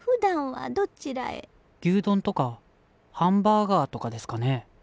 牛丼とかハンバーガーとかですかね。